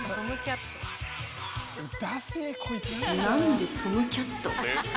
なんでトムキャット？